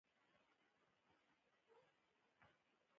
دا د څوارلسمې پېړۍ محصول ده.